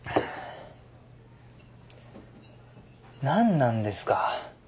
何なんですか？